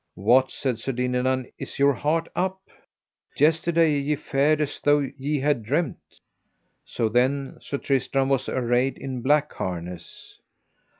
What, said Sir Dinadan, is your heart up? yesterday ye fared as though ye had dreamed. So then Sir Tristram was arrayed in black harness.